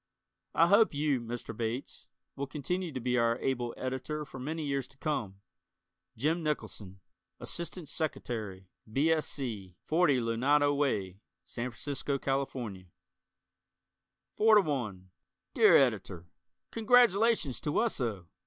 I hope you, Mr. Bates, will continue to be our able Editor for many years to come. Jim Nicholson, Ass't Sec'y., B. S. C., 40 Lunado Way, San Francisco, Calif. Four to One Dear Editor: Congratulations to Wesso!